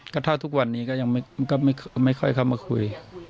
ก็ถ้าทุกวันนี้ก็ยังไม่ค่อยเข้ามาคุย